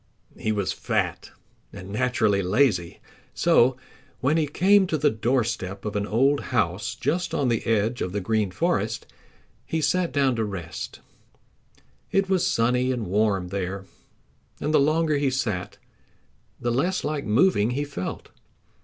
He was fat and naturally lazy, so when he came to the doorstep of an old house just on the edge of the Green Forest he sat down to rest. It was sunny and warm there, and the longer he sat the less like moving he felt.